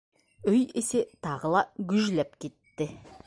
Өй эсе тағы ла гөжләп китте.